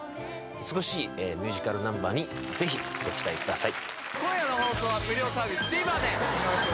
美しいミュージカルナンバーにぜひご期待ください